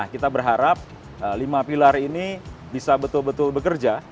kita berharap lima pilar ini bisa betul betul bekerja